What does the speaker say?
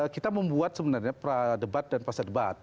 kita membuat sebenarnya pradebat dan pasadebat